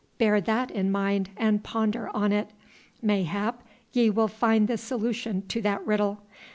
Bear that in mind and ponder on it. Mayhap ye will find the solution to that riddle.